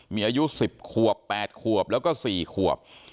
มีอายุ๑๐ขวบ๘ขวบแล้วก็๔ขวบ